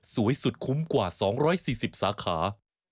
สวยสุดคุ้มกว่า๒๔๐สาขา